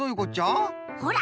ほら！